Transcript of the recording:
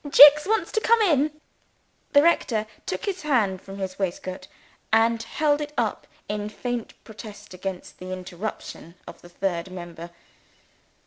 "Jicks wants to come in." The rector took his hand from his waistcoat, and held it up in faint protest against the intrusion of the third member.